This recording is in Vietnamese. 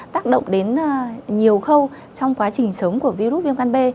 tác động đến nhiều khâu trong quá trình sống của virus viêm gan b